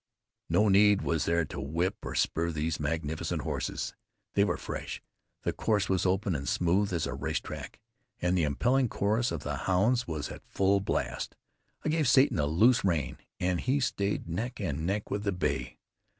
No need was there to whip or spur those magnificent horses. They were fresh; the course was open, and smooth as a racetrack, and the impelling chorus of the hounds was in full blast. I gave Satan a loose rein, and he stayed neck and neck with the bay.